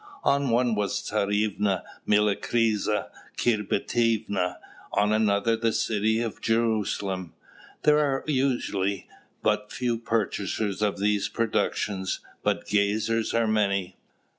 On one was the Tzarevna Miliktrisa Kirbitievna; on another the city of Jerusalem. There are usually but few purchasers of these productions, but gazers are many.